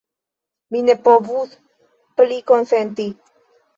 Mi ne povus pli konsenti!